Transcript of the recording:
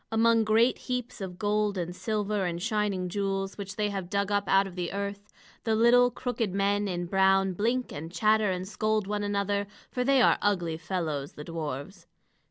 Among great heaps of gold and silver and shining jewels, which they have dug up out of the earth, the little crooked men in brown blink and chatter and scold one another; for they are ugly fellows the dwarfs.